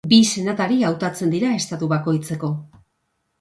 Bi senatari hautatzen dira estatu bakoitzeko.